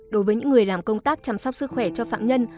đối với những người làm công tác chăm sóc sức khỏe cho phạm nhân